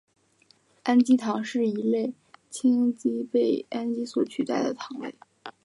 氨基糖是一类羟基被氨基取代的糖类。